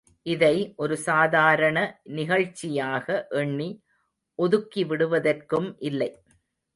இதை ஒரு சாதாரண நிகழ்ச்சியாக எண்ணி ஒதுக்கிவிடுவதற்கும் இல்லை.